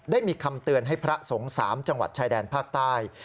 ได้มีคำเตือนให้พระสงฆ์๓จังหวัดชายแดนภาคใต้